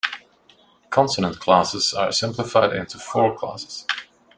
Consonant classes are simplified into four classes.